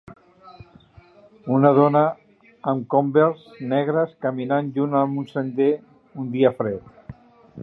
Una dona amb Converse negres caminant junt a un sender un dia fred.